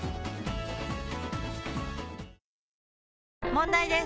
問題です！